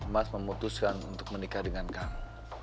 mas memutuskan untuk menikah dengan kamu